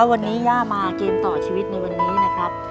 วันนี้ย่ามาเกมต่อชีวิตในวันนี้นะครับ